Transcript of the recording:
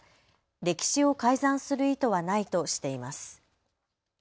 歴史を改ざんする意図はないとしています。